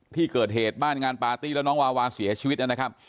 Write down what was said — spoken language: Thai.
ที่เกิดเหตุบ้านงานปาร์ตี้แล้วน้องวาวาเสียชีวิตนะครับ